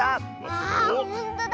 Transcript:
わあほんとだ！